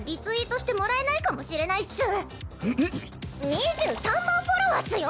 ２３万フォロワーっすよ！